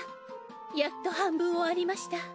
やっと半分終わりました。